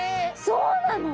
そうなの！？